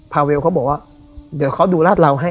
เวลเขาบอกว่าเดี๋ยวเขาดูลาดเหลาให้